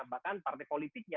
bahkan partai politiknya